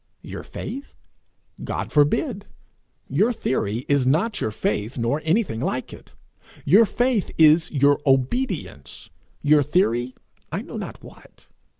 Your faith! God forbid. Your theory is not your faith, nor anything like it. Your faith is your obedience; your theory I know not what.